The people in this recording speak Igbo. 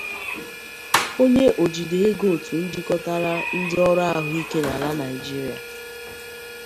onye ojide ego otu jikọtara ndị ọrụ ahụike n'ala Nigeria